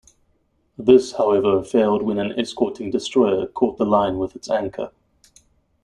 This, however, failed when an escorting destroyer caught the line with its anchor.